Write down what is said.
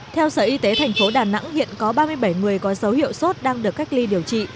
theo sở y tế thành phố đà nẵng hiện có ba mươi bảy người có dấu hiệu sốt đang được cách ly điều trị